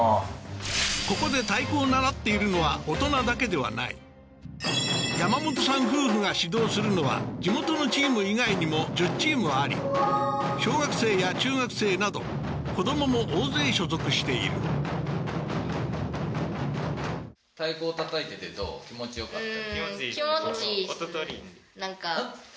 ここで太鼓を習っているのは大人だけではない山本さん夫婦が指導するのは地元のチーム以外にも１０チームあり小学生や中学生など子どもも大勢所属している気持ちよかった？